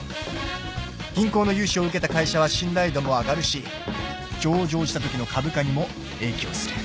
銀行の融資を受けた会社は信頼度も上がるし上場したときの株価にも影響する。